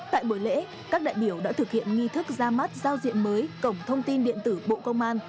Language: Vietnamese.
tại buổi lễ các đại biểu đã thực hiện nghi thức ra mắt giao diện mới cổng thông tin điện tử bộ công an